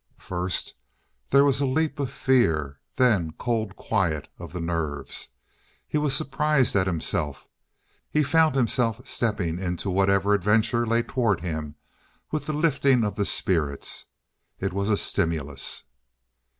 First there was a leap of fear then cold quiet of the nerves. He was surprised at himself. He found himself stepping into whatever adventure lay toward him with the lifting of the spirits. It was a stimulus.